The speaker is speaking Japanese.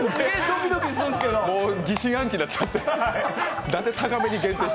疑心暗鬼になっちゃって。